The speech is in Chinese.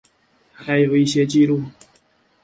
还有一些记录